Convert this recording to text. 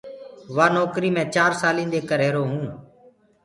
وآ نوڪريٚ مي چار سالينٚ دي ڪر رهيرو هونٚ۔